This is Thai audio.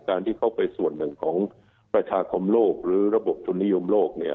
การที่เขาเป็นส่วนหนึ่งของประชาคมโลกหรือระบบทุนนิยมโลกเนี่ย